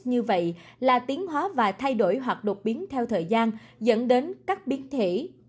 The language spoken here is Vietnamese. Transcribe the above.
như vậy là tiến hóa và thay đổi hoặc đột biến theo thời gian dẫn đến các biến thể